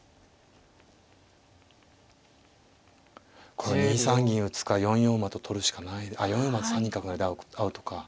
これ２三銀打つか４四馬と取るしかないああ４四馬は３二角成でアウトか。